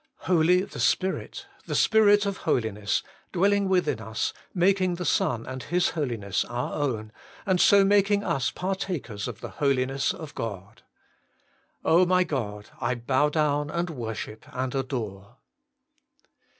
HOLY ! THE SPIRIT ; the Spirit of Holiness, dwelling within us, making the Son and His Holiness our own, and so making us partakers of the Holiness of God. my God ! I bow down, and worship, and adore.